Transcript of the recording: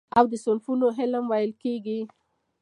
او د صفتونو علم ويل کېږي .